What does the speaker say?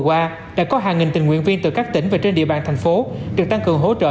qua đã có hàng nghìn tình nguyện viên từ các tỉnh và trên địa bàn thành phố được tăng cường hỗ trợ